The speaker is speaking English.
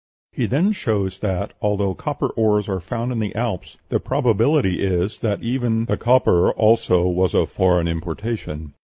He then shows that, although copper ores are found in the Alps, the probability is that even "the copper also was of foreign importation.